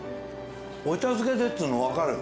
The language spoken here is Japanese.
お茶漬けでっつうの分かる。